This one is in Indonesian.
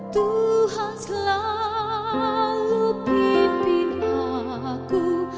tuhan selalu pimpin aku